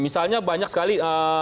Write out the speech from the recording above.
misalnya banyak sekali